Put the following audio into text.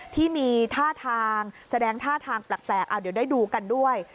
ที่มีท่าทางแสดงท่าทางแปลกเดี๋ยวได้ดูกันด้วย